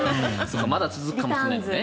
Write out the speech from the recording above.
まだ続くかもしれませんね。